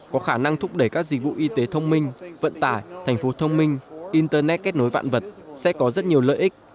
có khả năng thúc đẩy các dịch vụ y tế thông minh vận tải thành phố thông minh internet kết nối vạn vật sẽ có rất nhiều lợi ích